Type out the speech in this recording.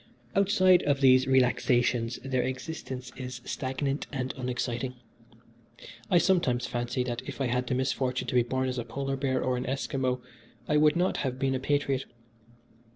Outside of these relaxations their existence is stagnant and unexciting. I sometimes fancy that if I had the misfortune to be born a polar bear or an Esquimo I would not have been a patriot.